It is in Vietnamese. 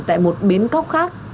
tại một biến cóc khác